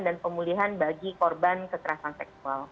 dan pemulihan bagi korban kekerasan seksual